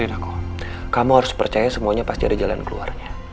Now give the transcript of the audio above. kamu harus percaya semuanya pasti ada jalan keluarnya